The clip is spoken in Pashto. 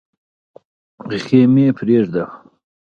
خېمې پرېږدو.